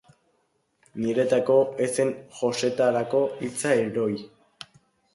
Niretako, ez zen jostetarako hitza, heroi.